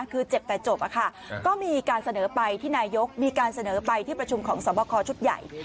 คือเจ็บแต่จบก็มีการเสนอไปที่นายกมีการเสนอไปที่ประชุมของสวบคอชุดใหญ่